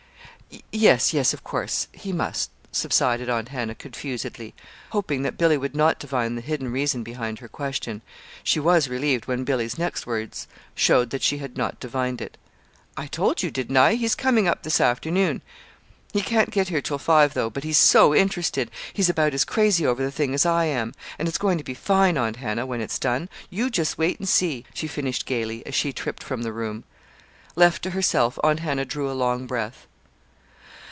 "Yes, yes, of course he must," subsided Aunt Hannah, confusedly, hoping that Billy would not divine the hidden reason behind her question. She was relieved when Billy's next words showed that she had not divined it. "I told you, didn't I? He's coming up this afternoon. He can't get here till five, though; but he's so interested! He's about as crazy over the thing as I am. And it's going to be fine, Aunt Hannah, when it's done. You just wait and see!" she finished gayly, as she tripped from the room. Left to herself, Aunt Hannah drew a long breath.